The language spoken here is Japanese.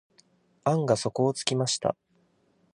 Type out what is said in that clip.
案が底をつきました。